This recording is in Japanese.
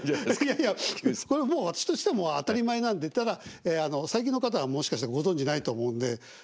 いやいやこれもう私としてもう当たり前なんでただ最近の方はもしかしてご存じないと思うんで。